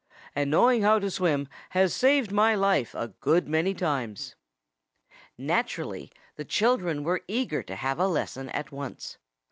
And knowing how to swim has saved my life a good many times." Naturally the children were eager to have a lesson at once.